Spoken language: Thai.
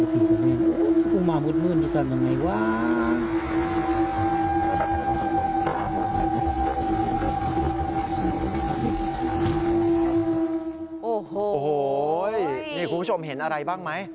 คุณผู้ชมเห็นอะไรบ้างไหม